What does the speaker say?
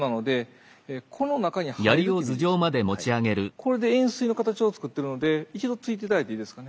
これで円錐の形をつくってるので一度突いて頂いていいですかね。